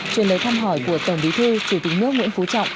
truyền lời thăm hỏi của tổng bí thư chủ tịch nước nguyễn phú trọng